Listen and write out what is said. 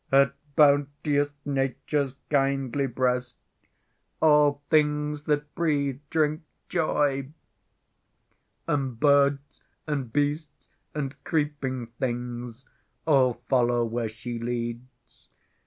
At bounteous Nature's kindly breast, All things that breathe drink Joy, And birds and beasts and creeping things All follow where She leads.